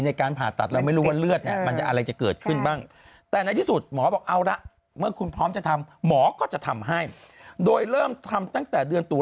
นางเป็นโรคภูมิแพ้